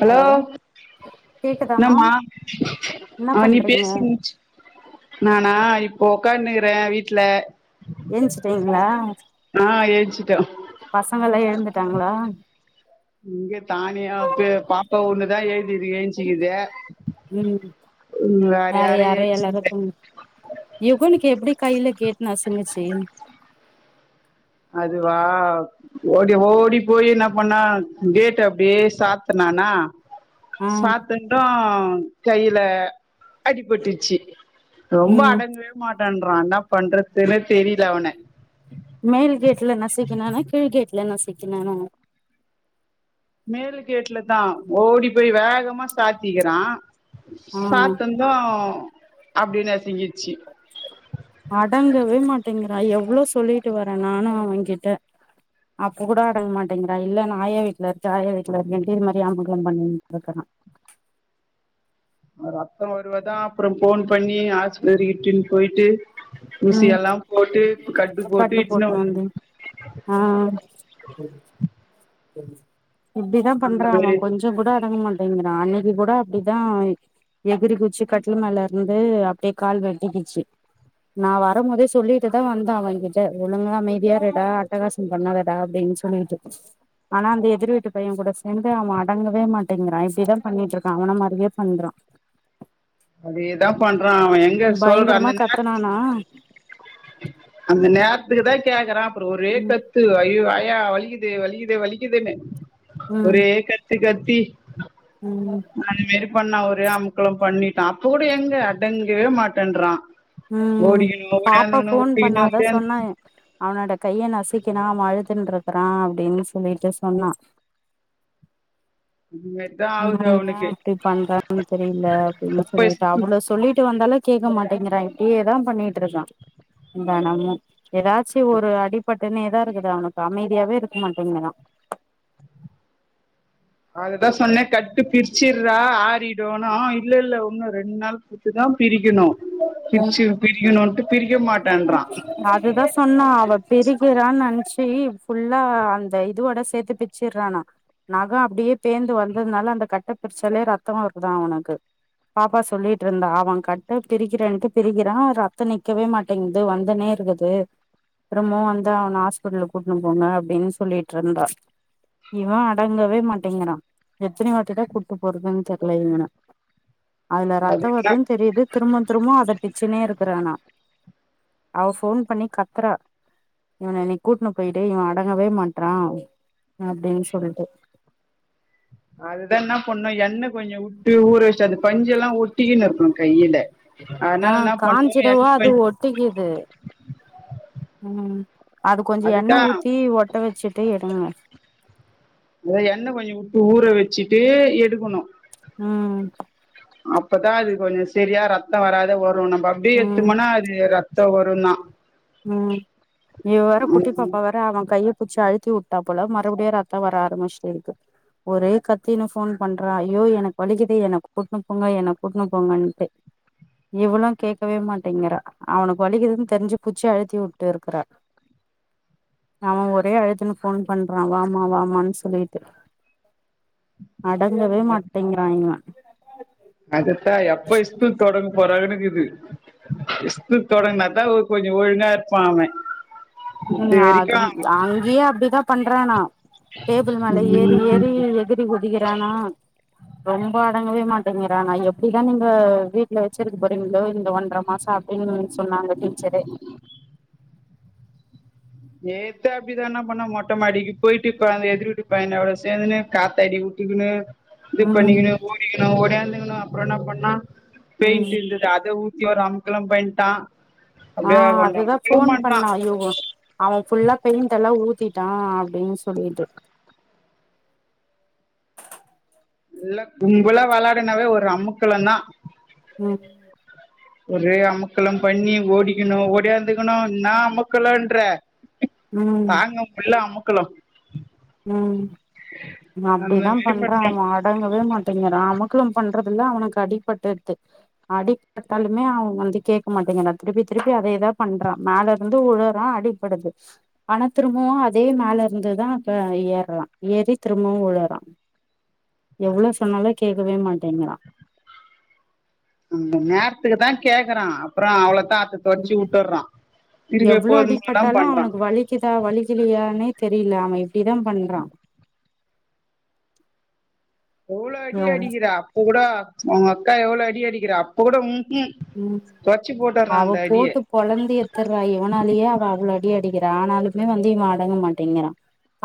hello கேக்குதாமா என்னமா என்ன அ நீ பண்றீங்க பேசி முடிச்சி நானா இப்போ உக்கான்க்கற வீட்ல ஏஞ்ச்சிட்டீங்களா ஆ ஏழ்ச்சுட்ட பசங்க எல்லா எழுந்துட்டாங்களா இங்க தானியா பே பாப்பா ஒண்ணுதா ஏ ஏன்ச்சுக்குது ம் வேற யாரா யாரு ஏன்ச்சு எல்லாரு தூங் யுகனுக்கு எப்டி கையில கேட் நசுங்குச்சு அதுவா ஓடி ஓடி போய் என்ன பண்ணா கேட்ட அப்டே சாத்தனானா ஆ சாத்தன்து கைல அடிபட்டுர்ச்சு ரொம்ப ம் அடங்கவே மாட்டன்றா என்னா பண்றதுன்னே தெரில அவன மேல் கேட்ல நசிக்கினானா கீழ்கேட்ல நசிக்கினானா மேல கேட்ல தா ஓடி போய் வேகமா சாத்திக்கிறா ஆ சாத்த ன்தோ அப்டே நசிங்கிச்சு அடங்கவே மாட்டிங்கிறா எவ்ளோ சொல்லிட்டு வர நானு அவகிட்ட அப்ப கூட அடங்க மாட்டேங்கிறா இல்ல நா ஆயா வீட்ல இருக்க ஆயா வீட்ல இருக்கன்ட்டு இது மாரி அமக்களோ பண்ணிட்டுக்கறா ரத்த வருவ தா அப்புறோ ஃபோன் பண்ணி ஆஸ்பத்திரி இட்டுன்னு போயிட்டு ஊசி ம் எல்லா போட்டு கட்டு போட்டு இட்னு போட்னு வந் வந்து ஆ இப்டிதா அந்த பண்றா அவ மாரி கொஞ்ச கூட அடங்க மாட்டேங்கிறா அன்னைக்கு கூட அப்டிதா எகிறி குச்சி கட்டுல் மேல இருந்து அப்டியே கால் வெட்டிக்குச்சு நா வரும் போதே சொல்லிட்டு தா வந்தா அவகிட்ட ஒழுங்கா அமைதியா இருடா அட்டகாசம் பண்ணாதடா அப்டின்னு கனீட்டு ஆனா அந்த எதிர்வீட்டு பைய கூட சேந்து அவ அடங்கவே மாட்டேங்கிறா இப்டிதா பண்ணிட்டு இருக்கா அவன மாரியே பண்றா அதேதா பண்றா அவ எங்க சொல்ற பயங்கரமா அந்த நேர கத்தனானா அந்த நேரத்துக்கு தா கேக்கறா அப்றோ ஒரே ம் கத் ஐயோ ஆயா வலிக்குது வலிக்குது வலிக்குதுன்னு ம் ஒரே கத்து கத்தி ம் அந்த மேரி பண்ணா ஒரே அமுக்களோ பண்ணிட்டா அப்ப கூட எங்க அடங்கவே மாட்டன்றா ம் பாப்பா ஃபோன் ஓடிக்கணு பண்ணாதா சொன்னா ஓடியாந்துக்கணு அவனோட கைய நசிக்கினா அவ அழுதுன்றுக்கறா அப்டின்னு சொல்லிட்டு சொன்னா இது மேரி அவே எ அப்டி பண்றா தெரில அப்டின்னு சொல்லிட்டு அவ்ளோ சொல்லிட்டு வந்தாலு கேக்க மாட்டேங்கிறா இப்டேதா பண்ணிட்டுருக்கா தெனமு எதாச்சு ஒரு அடிப்பட் டுன்னே தா இருக்குது அவனுக்கு அமைதியாவே இருக்க மாட்டேங்குறா அததா சொன்ன கட்டு பிரிச்சிர்றா ஆறிடுனு ஆ இல்ல இல்ல ஒண்ணு ரெண்டு நாள் இப்டிதா பிரிக்கணு பிரிச்சு பிரிக்கணும்ட்டு பிரிக்க மாட்டன்றா எதோ சொன்னா அவ பிரிக்கிறான்னு நெனச்சி ஃபுல்லா அந்த இதுவோட சேத்து பிச்சுறானா நகோ அப்டியே பேந்து வந்ததுனால அந்த கட்ட பிரிச்சாலே ரத்தோ வருதா அவனுக்கு பாப்பா சொல்லிட்டு இருந்தா அவ கட்ட பிரிக்கிறன் டு பிரிக்கிறா ரத்தோ நிக்கவே மாட்டேங்குது வந்துனே இருக்குது அப்புறமும் வந்து அவன ஹாஸ்பிட்டலுக் கூட்னு போங்க அப்டின்னு சொல்லிட்டு இருந்தா இவ அடங்கவே மாட்டேங்கிறா எத்தன வாட்டிதா கூட்டு போறதுன்னு தெர்ல இவன அதுல அது ரத்த என்ன வருதுன்னு தெரிது திரும்ப திரும்பவு அத பிச்சுனே இருக்கறானா அவ ஃபோன் பண்ணி கத்தறா இவன நீ கூட்னு போயிடு இவே அடங்கவே மாட்றா அப்டின்னு சொல்லிட்டு அதுதா என்ன பண்ணு எண்ணெ கொஞ்சோ உட்டு ஊற வச்ச அது பஞ்சுல்லா ஒட்டிக்கின்னு இருக்கணு கையில அதனால என்ன பண்ணுவோ என் [inaudible] ஒட்டிக்கிது ம் அது கொஞ்சோ எண்ணெ அதுதா ஊத்தி ஒட்ட வச்சுட்டு எடுங்க அத எண்ணெ கொஞ்சோ உட்டு ஊற வச்சிட்டு எடுக்கணு ம் அப்பதா அது கொஞ்சோ செரியா ரத்தோ வராத வரு நம்ப அப்டியே ம் எத்துபோனா அது ரத்தோ வருந்தா ம் இவவேற குட்டி ம் பாப்பா வேற அவ கைய பூச்சி அழுத் தி உட்டா போல மறுபடியு ராத்தோ வர ஆரம்பிச்சுனுருக்கு ஒரே கத்தின்னு ஃபோன் பண்றா ஐயோ எனக்கு வலிக்கிதே என்ன கூட்னு போங்க என்ன கூட்னு போங்கன்டு இவளு கேட்கவே மாட்டேங்கிறா அவனுக்கு வலிக்குதுன்னு தெரிஞ்சு புடுச்சி அழுத்தி உட்டுருக்குறா அவ ஒரே அழுதுன்னு போன் பண்றா வாம வாமான்னு சொல்லிட்டு அடங்கவே மாட்டேங்கிறா இவே அதுதா எப்ப ஸ்கூல் தொடங்கு போறாகன்னுருக்குது இஸ்கூலு தொடங்குனா தா கொஞ்சோ ஒழுங்கா இருப்பா அவே அது அங்கேயே அப்படிதா பண்றானா டேபிள் மேல ஏறி ம் ஏறி எகுறி குதிக்கிறானா ரொம்ப அடங்கவே மாட்டேங்கிறானா நான் எப்படிதா நீங்க வீட்ல வச்சிருக்க போறீங்களோ இந்த ஒன்றரை மாசோ எங்கன்னுன் சொன்னாங்க டீச்சரு நேத்து அப்படிதா என்னா பண்ணா மொட்டைமாடிக்கு போயிட்டு இப்ப அந்த எதிர் வீட்டு பைய்யனோட சேந்துன்னு காத்தாடி உட்டுக்குன்னு இது ம் பண்ணிக்கணு ஓடிக்கிணு ஓடியாந்துக்குணு அப்புறோ என்ன பண்ணா ம் பெயிண்ட் இருந்துது அத ஊத்தி ஒரு அமக்கலம் பண்ட்டா ஆ அப்டியே கொண்டு அதுதா அமுக்கலம் ஃபோன் பண்றா பண்ணா இவுங்கோ அவ ஃபுல்லா பெயிண்ட்ல்லா ஊத்திட்டா அப்படின்னு சொல்லிட்டு இல்ல கும்புல்லா விளாடினாவே ஒரு அமுக்களந்தா ம் ஒரே அமக்கல்லாம் பண்ணி ஓடிக்கிணு ஓடியாந்துக்கணு என்ன அமக்கலன்ற ம் தாங்க முல்ல அமுக்கலோ ம் அந்த அப்படிதா மாரி பண்றா அவ அடங்கவே மாட்டேங்காரா அமுகலோ பண்றதுல்ல அவனுக்கு அடிபட்டுது அடி பட்டாலுமே அவங்க வந்து கேட்க மாட்டீங்குறா திருப்பி திருப்பி அதேதா பண்றா மேலருந்து உழுறா அடிப் படுது ஆனா திரும்புவு அதே மேலருந்துதா க ஏறுரா ஏறி திரும்பவு உழுறா எவ்ளோவு சொன்னாலு கேட்கவே மாட்டேங்குறா அந்த நேரத்துக்கு தா கேக்குறா அப்புறோ அவ்ளோதா தெடச்சு ம் உட்டர்றா திரும்ப எப்போது போலதா பண்றா வலிக்கிதா வழிகலையானே தெரியல அவ இப்படிதா பண்றா எவ்ளோ அடி ம் அடிக்கிற அப்ப கூட அவுங்க அக்கா எவ்ளோவு அடி அடிக்கிறா அப்போ கூட ம்ஹும் தொட்ச்சு போட்டறா அந்த அடியே கொழந்தையே எட்துர்றா இவனாலேயே அவ அவ்ளோ அடி அடிக்கிறா ஆனாலுமே வந்து இவ அடங்க மாட்டேங்கிறா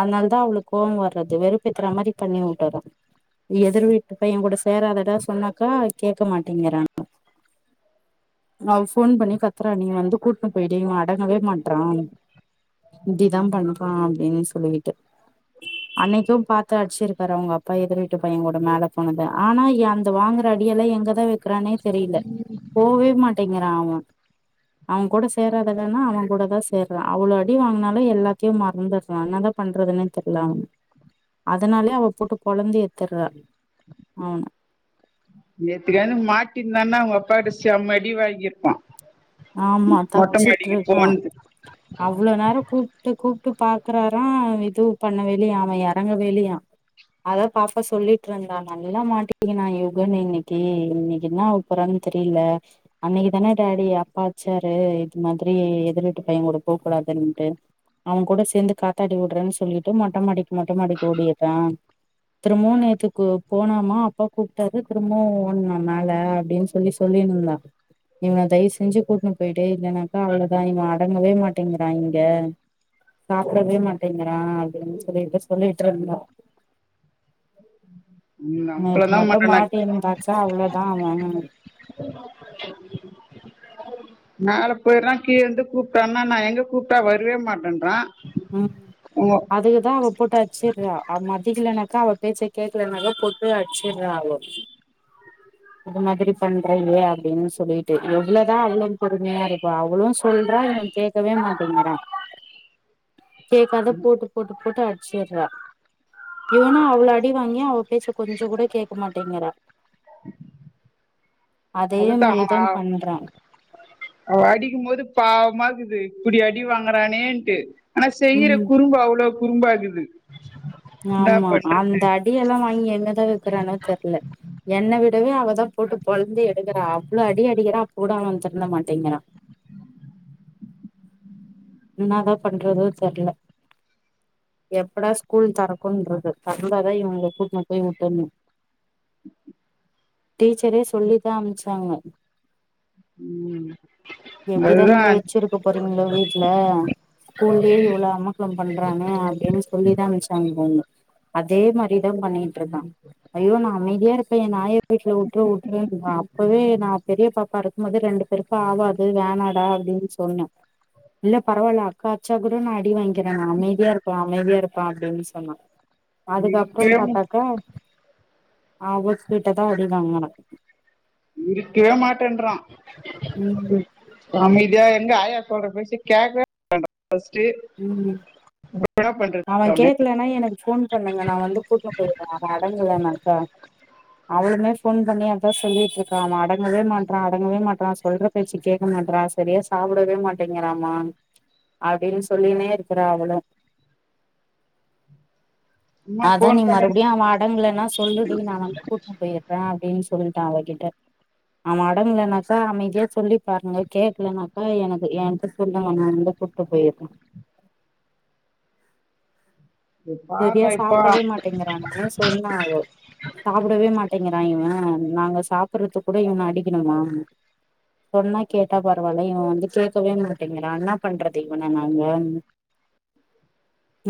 அதனால தா அவளுக்கு கோவோ வர்றது வெறுப்பத்துற மாரி பண்ணி உட்டர்றா எதிர்விட்டுப் பைய கூட சேராதடா சொன்னாக்கா கேட்க மாட்டேங்கிறா அவ போன் பண்ணி கத்ற நீ வந்து கூட்ணு பொய்டு இவ அடங்கவே மாட்றா இப்படிதா பண்றா அப்டின்னு சொல்லிட்டு அன்னைக்கு பாத்து அடிச்சிருக்காரு அவுங்க அப்பா எதிர்வீட்டு பைய கூட மேல போனத ஆனா அந்த வாங்குற அடியல்ல எங்கதா இருக்றானே தெரில போவே மாட்டேங்கிறா அவ அவ கூட சேராதடான்னா அவ கூடதா சேர்றா அவ்ளோ அடி வாங்குனாலு எல்லாத்தையு மறந்துற்றா என்னதா பண்றதுன்னே தெர்ல அவன அதனாலே அவ போட்டு பொழந்து ஏட்த்துற்றா அவன நேத்துக்கானு மாட்டி இருந்தானா அவுங்க அப்பாட செம் அடி வாங்கிருப்பா ஆமா தப்ச்சுட்டுருக்கா போன்து அவ்ளோ நேரோ கூப்ட்டு கூப்ட்டு பாக்குறாரா அவ இது பண்ணவே இல்லியா எறங்கவேஇலியா அதா பாப்பா சொல்லிட்ருந்தா நல்லா மாட்டிக்கின்னா யுகன் இன்னைக்கு இன்னைக்கு என்ன ஆவ போறான் தெர்ல அன்னைக்கு தானே டாடி அட்ச்சாரு இது மாதிரி எதிர்வீட்டு பைய கூட போகூடாதுன்ட்டு அவ கூட சேந்து காத்தாடி விட்றேன்னு சொல்லிட்டு மொட்டமாடிக்கு மொட்டமாடிக்கு ஓடிற்றா திரும்பவு நேத்துக்கு போனோமா அப்பா கூப்ட்டாரு திரும்பவு ஓட்னா மேல அப்டினு சொ ல்லி சொல்லிருந்தா இவன தயவு செஞ்சு கூட்னு பொய்டு இல்லனாக்கா அவ்ளோதா இவ அடங்கவே மாட்டேங்றா இங்க சாப்டவே மாட்டேங்குறா அப்டின்னு சொல்லிட்டு சொல்லிட்ருந்தா ம் நேத்து அமுக்கலந்தா மட்டு மாட்டி பண்றா இருந்தாக்க அவ்ளோதா அவ [inaudible] மேல பொயிர்றா கீழேருந்து கூப்ட்டன்னா நா எங்க கூப்ட்டா வரவே மாட்டேன்றா ம் உங்க அதுதா அவ போட்டு அட்ச்சுட்றா அவ மதிக்கலனாக்கா அவ பேச்ச கேக்கலனாக்கா போட்டு அடிச்சுட்றா அவோ அது மாதிரி பண்றிங்லே அப்பிடின்னு சொல்ட்டு எவ்ளௌதா அவளு பொறுமையா இருப்பா அவளு சொல்றா இவ கேக்கவே மாட்டங்ரா கேக்காத போட்டு போட்டு போட்டு அட்ச்சிட்றா இவனு அவ்ளோ அடி வாங்கியு அவ பேச்சே கொஞ்சோ கூட கேக்கே மாட்டேங்றா அதே மாரிதா பண்றா [unintelligible] அவ அடிக்கும்போது பாவமா இருக்குது இப்டி அடி வாங்றானேன்ட்டு ஆனா செய்ற ம் குறும்பு அவ்ளோ குறும்பா இருக்குது ஆமா அந்த அடிய எல்லா வாங்கி எங்கதா வைக்றானோ தெர்ல என்ன விடவு அவதா போட்டு பொழந்து எடுக்குறா அவ்ளோ அடி அடிக்கிறா அப்போ கூட அவ திருந்த மாட்டேங்குறா என்னதா பண்றதோ தெர்ல எப்படா ஸ்கூல் தொறக்குன்றுக்கு தோறந்ததா இவங்ள கூட்னூ போய் உட்டுற்னு டீச்சரே சொல்லிதா அம்ச்சாங்க ம் எப்டிதா நீங்க அதுதான் வச்சிருக்க போறீங்ளோ வீட்ல ஸ்கூல்லியே இவ்ளோ அமக்களோ பண்றாங்க அப்டின் சொல்லிதா அமிச்சாங்க போங்க அதே மாரிதா பண்ணிட்ருக்கா ஐயோ நா அமைதியா இருப்பே என்ன ஆயா வீட்ல வுட்ரு வுட்ருன்றா அப்பவே நா பெரிய பாப் பா இருக்கு போது ரெண்டு பேருக்கு ஆவாது வேனாடா அப்டின் சொன்னே இல்ல பரவால்ல அக்கா அடிச்சா கூட நா அடி வாங்க்கிறே அமைதியா இருப்பே அமைதியா இருப்பே அப்டின்னு சொன்னா அதுக்கப்றோ இருக்கவே மு- பாத்தாக்கா அவகிட்டதா அடி வாங்றா இருக்கவே மாட்டேன்றா ம் அமைதியா எங்க ஆயா சொல்ற பேச்சே கேக்கவே மாட்டேன்றா ஃபஸ்ட்டு என்னா பண்றது அவன இல்லனா எனக்கு ஃஃபோன் பண்ணுங்க நா வந்து கூட்டு போயிட்றே அவ அடங்கலனாக்கா அவளுமே ஃபோன் பண்ணி அதா சொல்லிட்டு இருக்கா அவ அடங்கவே மாட்றா அடங்கவே மாட்றா சொல்ற பேச்சு கேக்க மாட்டறா சரியா சாப்புடவே மாட்டேங்கிறாமா அப்பிடின்னு சொல்லினே இருக்குறா அவளும் சும்மா ஆ அதா நீ போன் பண்றேன் மறுபடியு அவ அடங்கலனா சொல்லுடி நா வந்து கூட்டு போயிட்ற அப்பிடின்னு சொல்லிட்ட அவகிட்ட அவ அடங்கலனாக்கா அமைதியா சொல்லி பாருங்க கேக்கலனாக்கா எனக்கு எங்கிட்ட சொல்லுங்க நா வந்து கூட் ட்ரு போயிட்ற சரியா பாடுறா இப்போ சாப்புடவே மாட்டேங்கிறான்னு சொன்னா அவோ சாப்புடவே மாட்டேங்கிறா இவே நாங்க சாப்புறதுக் கூட இவன அடிக்கணுமா சொன்னா கேட்டா பரவாயில்ல இவ வந்து கேக்கவே மாட்டேங்கறா என்னா பண்றது இவன நாங்க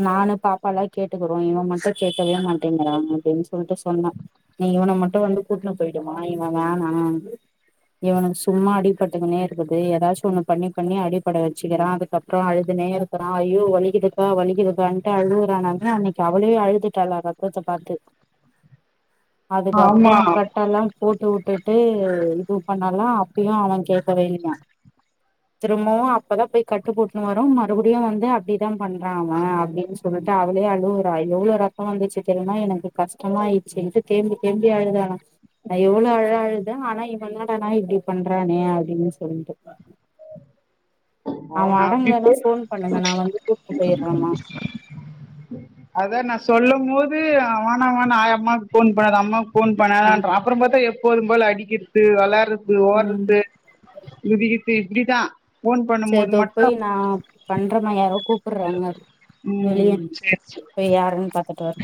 நானு பாப் பாலா கேட்டுக்கிறோ இவ மட்டு கேக்கவே மாட்டேங்கிறா அப்டின்னு சொல்ட்டு சொன்னா நீ இவன மட்டு வந்து கூட்டுனு போயிடும்மா இவ வேணா இவனுக்கு சும்மா அடிபட்டுக்குன்னே இருக்குது ஏதாச்சு ஒண்ணு பண்ணி பண்ணி அடிப்பட வச்சுக்கிறா அதுக்கப்புறோ அழுதுனே இக்குறா அய்யோ வலிக்குதுக்கா வலிக்குதுக்காண்ட்டு அழுவு றான்னாங்க அன்னைக்கி அவளே அழுதுட்டாளா ரத்தத்த பாத்து அதுக்கப்புறோ ஆமா கட்டெல்லா போட்டு விட்டுட்டு இது பண்ணலா அப்பையு அவ கேக்கவே இல்லையா திரும்பவு அப்பதா போய் கட்டு போட்டுனு வரோ மறுபடியு வந்து அப்டிதா பண்றா அவ அப்டின்னு சொ சொல்லிட்டு அவளே அழுவுறா எவ்வளோ ரத்தோ வந்துச்சு தெரியுமா எனக்கு கஷ்டமாயிடுச்சுன்ட்டு தேம்பி தேம்பி அழுதாளா நா எவ்வளோ அழ அழுத ஆனா இவ என்னாடனா இப்டி பண்றானே அப்டின்னு சொல்ட்டு அவ அவனை அப்படி அடங்கலனா போ- ஃபோன் பண்ணுங்கே நா வந்து கூட்டுன்னு போயிறேமா அதா நா சொல்லும் போது அவன அவான ஆயாம்மாக்கு ஃபோன் பண்ணது அம்மா ஃபோன் ம் பண்ணலன்றா அப்புற பாத்தா எப்போது போல அடிக்கிறது வெளாட்றது ம் ஓட்றது இதுக்கித்து இப்டிதா ஃபோன் சேரி பண்ணும்போ இதோ போய் நா பண்றமா யாரோ கூப்புட்றாங்க வெளியே ம் சேரி சேரி போய் யாருன் பாத்துட்டு வர